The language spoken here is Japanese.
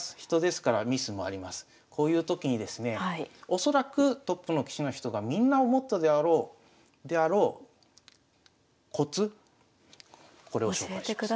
恐らくトップの棋士の人がみんな思ったであろうコツこれを紹介します。